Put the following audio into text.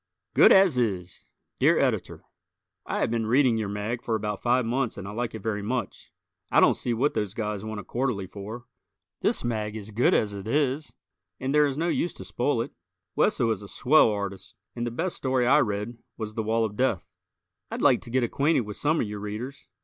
"Good As Is" Dear Editor: I have been reading your mag for about five months and I like it very much. I don't see what those guys want a quarterly for. This mag is good as it is and there is no use to spoil it. Wesso is a swell artist, and the best story I read was "The Wall of Death." I'd like to get acquainted with some of your Readers.